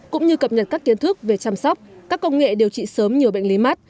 cũng như cập nhật các kiến thức về chăm sóc các công nghệ điều trị sớm nhiều bệnh lý mắt